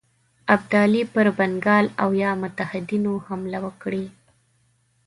ابدالي پر بنګال او یا متحدینو حمله وکړي.